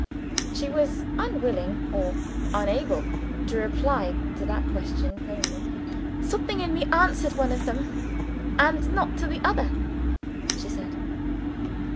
She was unwilling, or unable, to reply to that question plainly. "Something in me answers to one of them and not to the other," she said.